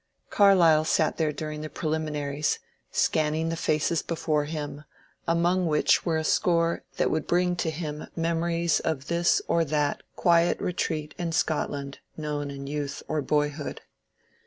Car lyle sat there during the preliminaries, scanning the faces before him, among which were a score that would bring to him 96 MONCURE DANIEL CONWAY memories of this or that quiet retreat in Scotland known in youth or boyhood.